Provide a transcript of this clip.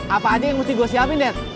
apa aja yang mesti gua siapin det